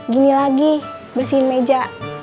gini lagi bersihin meja